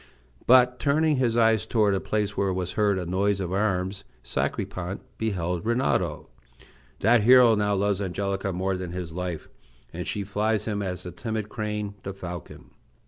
But, turning his eyes toward a place where was heard a noise of arms, Sacripant beheld Rinaldo. That hero now loves Angelica more than his life, and she flies him as the timid crane the falcon.